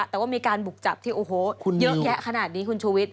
แต่ว่ามีการบุกจับที่โอ้โหเยอะแยะขนาดนี้คุณชูวิทย